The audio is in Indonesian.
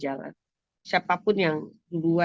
jadi kalau pasangan sudah melakukan perselingkuhan